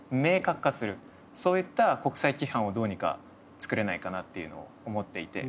そういった国際規範をどうにかつくれないかなっていうのを思っていて。